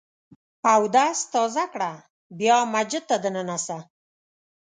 اودس تازه کړه ، بیا مسجد ته دننه سه!